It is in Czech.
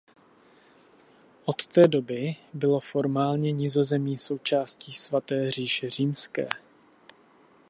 Od té doby bylo formálně Nizozemí součástí Svaté říše římské.